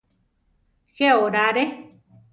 Je orare.